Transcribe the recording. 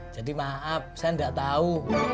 jadi maaf saya enggak tahu